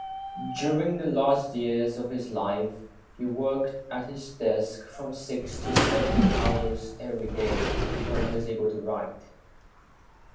During the last year of his life, he worked at his desk from six to seven hours every day, when he was able to write.